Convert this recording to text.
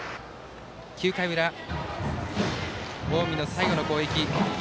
９回裏近江の最後の攻撃。